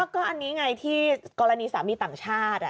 ก็อันนี้ไงที่กรณีสามีต่างชาติ